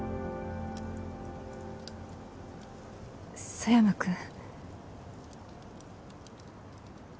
佐山くん。